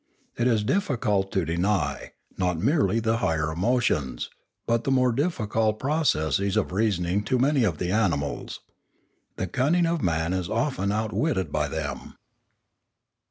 It is diffi cult to deny, not merely the higher emotions, but the more difficult processes of reasoning to many of the animals. The cunning of man is often outwitted by them.